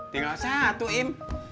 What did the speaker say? tinggal satu im